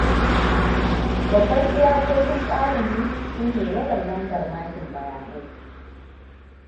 Babban iyakokin tsarin mu sune yawan lambar makin bayanai.